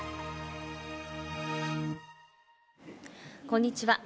こんにちは。